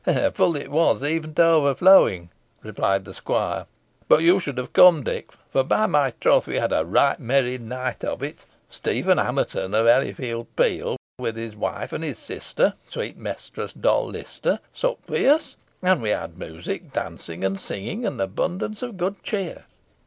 "Full it was, even to overflowing," replied the squire; "but you should have come, Dick, for, by my troth! we had a right merry night of it. Stephen Hamerton, of Hellyfield Peel, with his wife, and her sister, sweet Mistress Doll Lister, supped with us; and we had music, dancing, and singing, and abundance of good cheer.